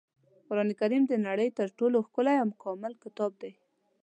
قرانکریم د نړۍ تر ټولو ښکلی او کامل کتاب دی.